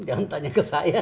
jangan tanya ke saya